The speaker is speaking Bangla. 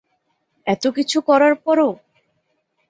এত কিছু করার পরও?